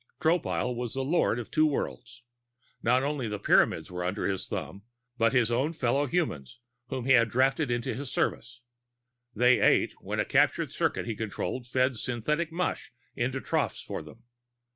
Tropile was lord of two worlds. Not only the Pyramids were under his thumb, but his own fellow humans whom he had drafted into his service. They ate when a captured circuit he controlled fed synthetic mush into troughs for them.